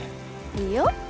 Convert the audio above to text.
いいよ。